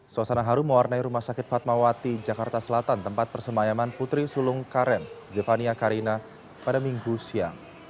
suasana harum mewarnai rumah sakit fatmawati jakarta selatan tempat persemayaman putri sulung karen zefania karina pada minggu siang